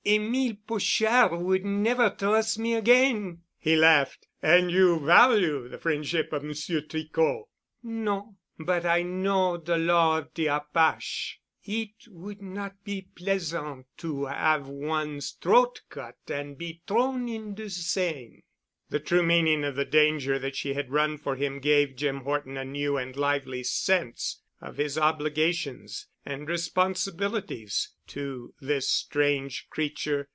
"Émile Pochard would never trus' me again." He laughed. "And you value the friendship of Monsieur Tricot?" "No. But I know de law of de apache. It would not be pleasant to 'ave one's t'roat cut an' be t'rown in de Seine." The true meaning of the danger that she had run for him gave Jim Horton a new and lively sense of his obligations and responsibilities to this strange creature.